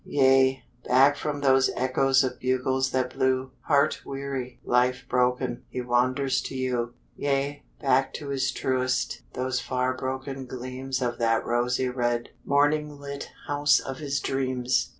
Yea, back from those echoes Of bugles that blew, Heart weary, life broken, He wanders to you; Yea, back to his truest, Those far broken gleams Of that rosy red, morning lit House of his dreams.